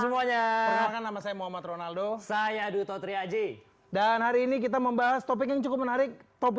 wacana penundaan pemilu ini